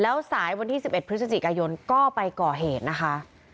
แล้วสายวันที่๑๑พฤศจิกายนก็ไปก่อเหตุนะคะ